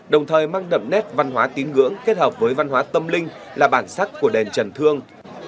đồng thời mang đậm nét văn hóa tín ngưỡng kết hợp với văn hóa tâm linh là bản sắc của đền trần thương